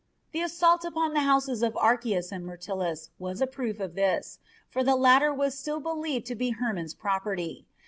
The assault upon the houses of Archias and Myrtilus was a proof of this, for the latter was still believed to be Hermon's property.